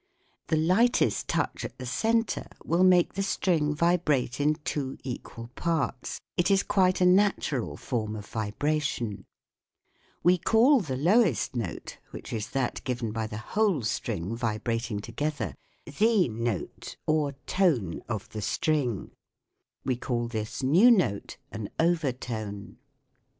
The lightest touch at the centre will make the string vibrate in two equal parts : it is quite a natural form of vibration We call the lowest note, which is that given by the whole string vibrating to gether, the note or tone of the string ; we call this new note an over tone.